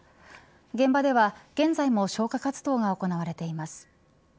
現場では現在も消火活動が行われています。